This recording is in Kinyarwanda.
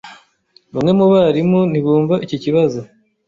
Bamwe mu barimu ntibumva iki kibazo.